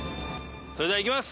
それではいきます。